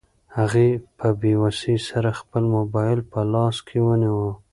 هغې په بې وسۍ سره خپل موبایل په لاس کې ونیو.